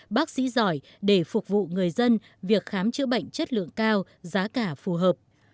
bác sĩ giỏi để phục vụ người dân việc khám chữa bệnh chất lượng cao giá cả phù hợp